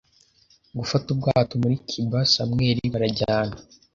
gufata ubwato muri Cuba Samuel barajyanaga